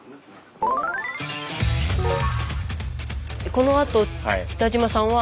このあと北島さんは。